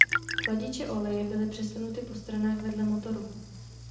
Chladiče oleje byly přesunuty po stranách vedle motoru.